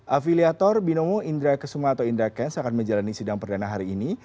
afiliator binomo indra kesuma atau indra kents akan menjalani sidang perdana hari ini